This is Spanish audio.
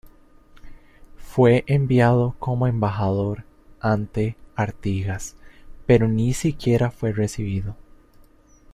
Fue enviado como embajador ante Artigas, pero ni siquiera fue recibido.